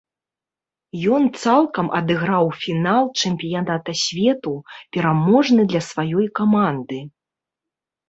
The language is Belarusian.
Ён цалкам адыграў фінал чэмпіяната свету, пераможны для сваёй каманды.